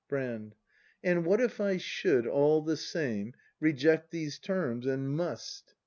Brand. And what if I should, all the same. Reject these terms? and must?